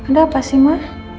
ada apa sih ma